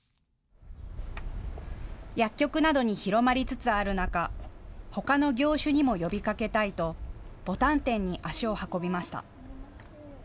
薬局などに広まりつつある中、ほかの業種にも呼びかけたいとボタン店に足を運びました。